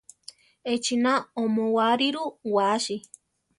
Echina oʼmoáriru wáasi.